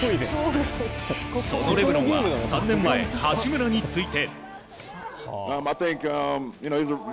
そのレブロンは３年前、八村について。